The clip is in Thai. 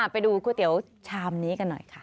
ไปดูก๋วยเตี๋ยวชามนี้กันหน่อยค่ะ